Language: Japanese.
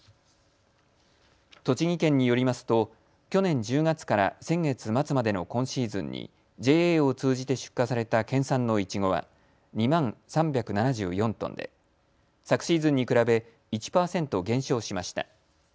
栃木県によりますと去年１０月から先月末までの今シーズンにＪＡを通じて出荷された県産のいちごは２万３７４トンで昨シーズンに比べ、１％減少しました。